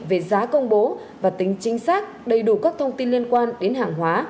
về giá công bố và tính chính xác đầy đủ các thông tin liên quan đến hàng hóa